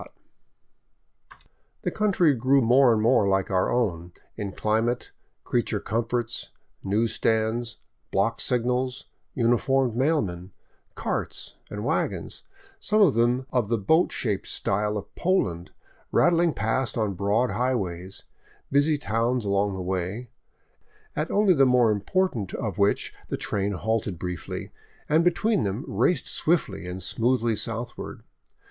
609 VAGABONDING DOWN THE ANDES The country grew more and more like our own, in climate, creature comforts, news stands, block signals, uniformed mailmen, carts and wagons, some of them of the boat shaped style of Poland, rattling past on broad highways, busy towns along the way, at only the more im portant of which the train halted briefly, and between them raced swiftly and smoothly southward.